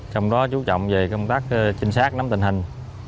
trong đó chú trọng về công tác trinh sát nắm tình hình